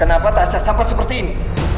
kenapa tasya sampai seperti ini